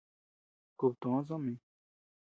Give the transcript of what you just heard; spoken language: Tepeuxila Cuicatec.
Kub too soʼö mi.